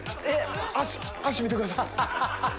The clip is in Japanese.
脚見てください。